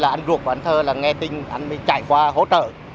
anh ruột của anh thơ nghe tin anh mới chạy qua hỗ trợ